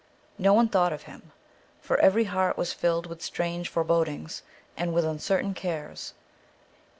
No one thought of him, for every heart was filled with strange forebodings, and with uncertain cares.